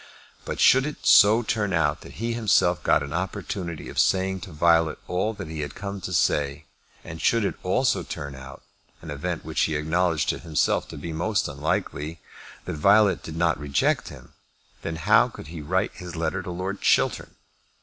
But should it so turn out that he himself got an opportunity of saying to Violet all that he had come to say, and should it also turn out, an event which he acknowledged to himself to be most unlikely, that Violet did not reject him, then how could he write his letter to Lord Chiltern?